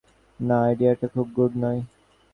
না, আইডিয়াটা খুব গুড নয়।